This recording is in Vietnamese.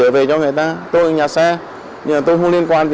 một mươi năm phút sau